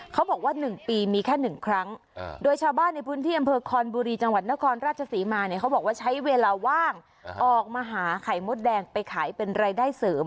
เขาบอกว่า๑ปีมีแค่๑ครั้งโดยชาวบ้านในพื้นที่อำเภอคอนบุรีจังหวัดนครราชศรีมาเนี่ยเขาบอกว่าใช้เวลาว่างออกมาหาไข่มดแดงไปขายเป็นรายได้เสริม